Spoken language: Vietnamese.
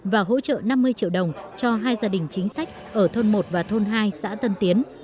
và hỗ trợ năm mươi triệu đồng cho hai gia đình chính sách ở thôn một và thôn hai xã tân tiến